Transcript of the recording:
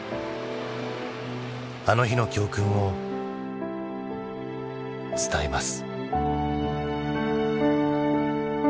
あの日の教訓を伝えます。